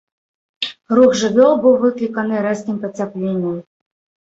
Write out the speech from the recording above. Рух жывёл быў выкліканы рэзкім пацяпленнем.